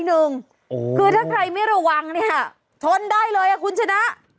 คือถ้าใครไม่ระวังเนี่ยชนได้เลยคุณชนะ